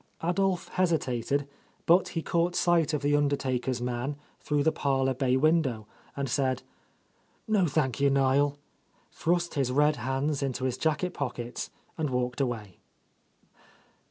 ''^ Adolph hesitated, but he caught sight of the undertaker's man, through the parlour bay win dow, and said, "No, thank you, Niel," thrust his red hands into his jacket pockets, and walked away.